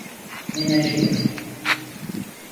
Menajerim.